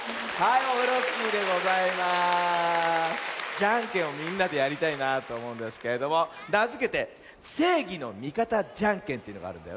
ジャンケンをみんなでやりたいなぁとおもうんですけれどもなづけて「せいぎのみかたジャンケン」というのがあるんだよ。